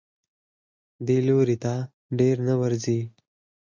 دې لوري ته ډېر نه ورځي.